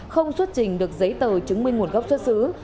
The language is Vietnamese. không xuất trình được giấy tờ chứng minh nguồn gốc xuất xứ